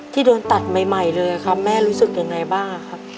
ที่โดนตัดใหม่เลยครับแม่รู้สึกยังไงบ้างครับ